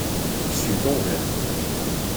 许洞人。